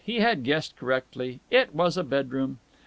He had guessed correctly. It was a bedroom.